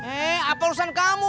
eh apa urusan kamu